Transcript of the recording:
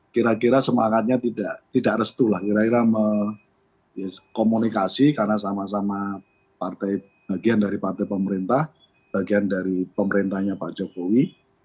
kira kira semangatnya tidak restu lah kira kira komunikasi karena sama sama bagian dari partai pemerintah bagian dari pemerintahnya pak jokowi